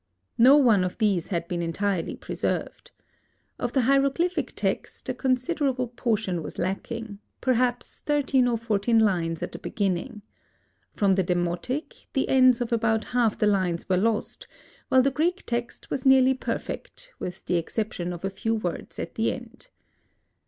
No one of these had been entirely preserved. Of the hieroglyphic text, a considerable portion was lacking; perhaps thirteen or fourteen lines at the beginning. From the demotic, the ends of about half the lines were lost, while the Greek text was nearly perfect, with the exception of a few words at the end.